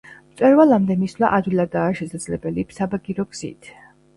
მწვერვალამდე მისვლა ადვილადაა შესაძლებელი საბაგირო გზით.